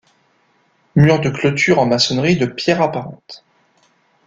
Mur de clôture en maçonnerie de pierres apparentes.